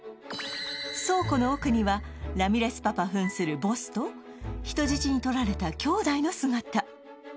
倉庫の奥にはラミレスパパ扮するボスと人質にとられた兄妹の姿！